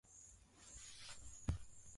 idadi ya Waitalia Wayahudi na watu wa Ulaya ya